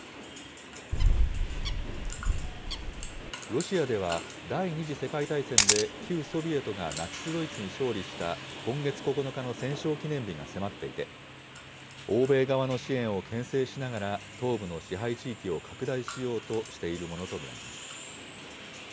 ロシアでは、第２次世界大戦で旧ソビエトがナチス・ドイツに勝利した今月９日の戦勝記念日が迫っていて、欧米側の支援をけん制しながら、東部の支配地域を拡大しようとしているものと見られます。